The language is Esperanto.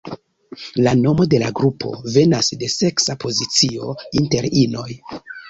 La nomo de la grupo venas de seksa pozicio inter inoj.